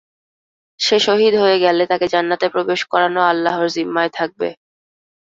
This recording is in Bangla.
সে শহীদ হয়ে গেলে তাকে জান্নাতে প্রবেশ করানো আল্লাহর যিম্মায় থাকবে।